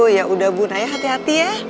ya udah bu naya hati hati ya